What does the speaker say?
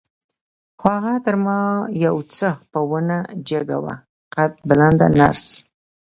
خو هغه تر ما یو څه په ونه جګه وه، قد بلنده نرس.